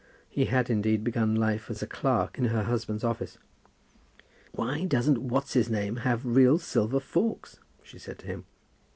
He had, indeed, begun life as a clerk in her husband's office. "Why doesn't What's his name have real silver forks?" she said to him.